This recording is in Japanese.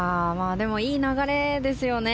いい流れですよね。